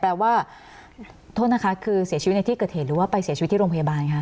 ว่าโทษนะคะคือเสียชีวิตในที่เกิดเหตุหรือว่าไปเสียชีวิตที่โรงพยาบาลคะ